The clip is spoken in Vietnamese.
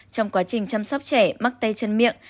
trong quá trình chăm sóc trẻ mắc tay chân miệng